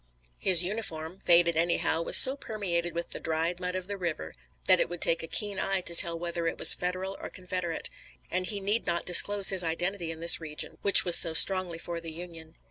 His uniform, faded anyhow, was so permeated with the dried mud of the river that it would take a keen eye to tell whether it was Federal or Confederate, and he need not disclose his identity in this region, which was so strongly for the Union.